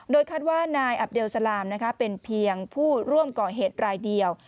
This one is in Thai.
คาดว่านายอับเลสลามเป็นเพียงผู้ร่วมก่อเหตุรายเดียว